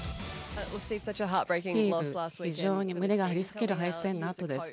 スティーブ、非常に胸が張り裂ける敗戦のあとです。